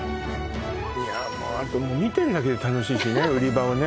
いやもうあと見てるだけで楽しいしね売り場をね